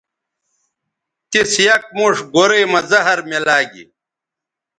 تِس یک موݜ گورئ مہ زہر میلاگی